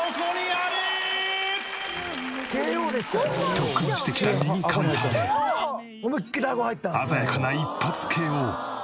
特訓してきた右カウンターで鮮やかな一発ＫＯ。